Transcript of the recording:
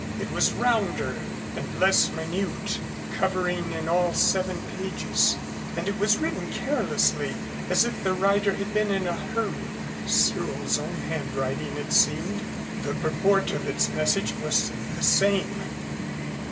It was rounder and less minute, covering in all seven pages, and it was written carelessly as if the writer had been in a hurry. Cyril's own handwriting it seemed. The purport of its message was the same.